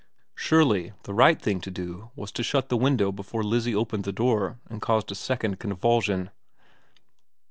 Surely the right thing to do was to shut the window before Lizzie opened the door and caused a second convulsion